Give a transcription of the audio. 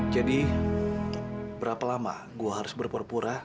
jadi berapa lama gue harus berpura pura